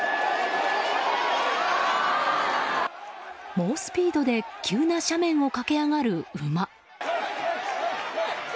猛スピードで急な斜面を駆け上がる馬。